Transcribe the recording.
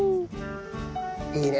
いいね！